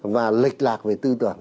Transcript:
và lệch lạc về tư tưởng